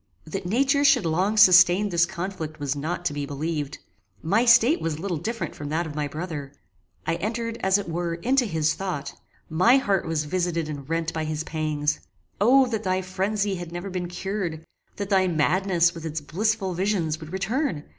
That nature should long sustain this conflict was not to be believed. My state was little different from that of my brother. I entered, as it were, into his thought. My heart was visited and rent by his pangs Oh that thy phrenzy had never been cured! that thy madness, with its blissful visions, would return!